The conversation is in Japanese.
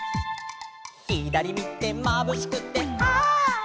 「ひだりみてまぶしくてはっ」